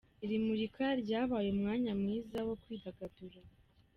Iri murika ryabaye umwanya mwiza wo kwidagadura.